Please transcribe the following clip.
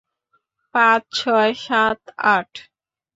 পাঁচ, ছয়, সাত, আট!